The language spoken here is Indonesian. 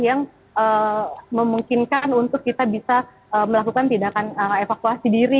yang memungkinkan untuk kita bisa melakukan tindakan evakuasi diri